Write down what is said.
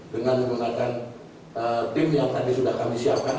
dengan menggunakan tim yang tadi sudah kami siapkan